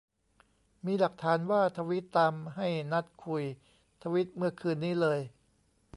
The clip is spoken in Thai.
มีหลักฐานว่าทวีตตามให้นัดคุย ทวีตเมื่อคืนนี้เลย